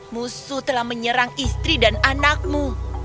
musuh telah menyerang istri dan anakmu